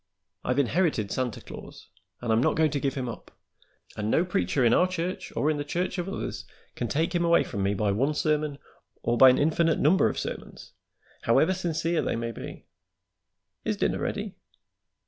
I've inherited Santa Claus, and I'm not going to give him up, and no preacher in our church or in the church of others can take him away from me by one sermon, or by an infinite number of sermons, however sincere they may be. Is dinner ready?"